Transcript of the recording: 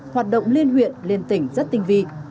hoạt động liên huyện liên tỉnh rất tinh vi